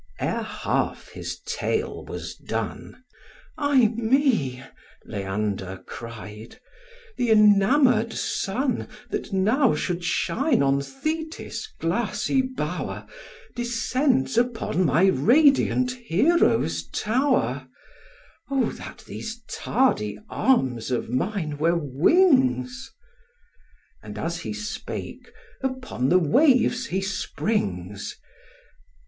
Ere half this tale was done, "Ay me," Leander cried, "th' enamour'd sun, That now should shine on Thetis' glassy bower, Descends upon my radiant Hero's tower: O, that these tardy arms of mine were wings!" And, as he spake, upon the waves he springs.